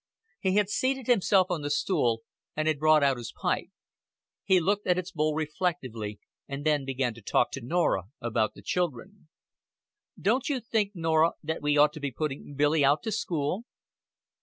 He had seated himself on the stool and had brought out his pipe. He looked at its bowl reflectively, and then began to talk to Norah about the children. "Don't you think, Norah, that we ought to be putting Billy out to school?"